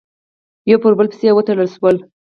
یو پر بل پسې وتړل شول،